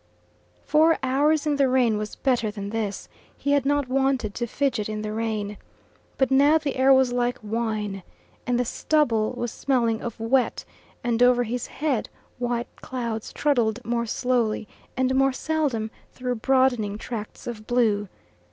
Four hours in the rain was better than this: he had not wanted to fidget in the rain. But now the air was like wine, and the stubble was smelling of wet, and over his head white clouds trundled more slowly and more seldom through broadening tracts of blue.